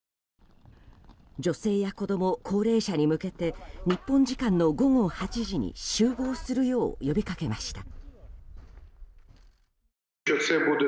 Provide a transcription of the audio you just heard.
女性や子供、高齢者に向けて日本時間の午後８時に集合するよう呼びかけました。